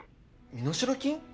身代金？